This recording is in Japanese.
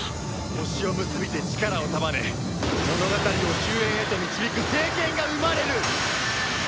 星を結びて力を束ね物語を終焉へと導く聖剣が生まれる！